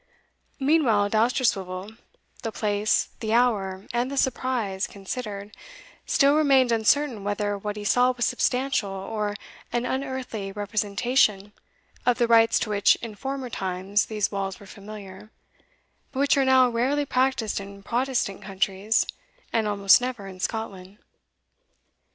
Meanwhile, Dousterswivel, the place, the hour, and the surprise considered, still remained uncertain whether what he saw was substantial, or an unearthly representation of the rites to which in former times these walls were familiar, but which are now rarely practised in Protestant countries, and almost never in Scotland.